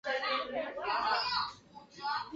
现在要完全颠倒过来。